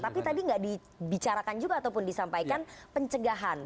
tapi tadi nggak dibicarakan juga ataupun disampaikan pencegahan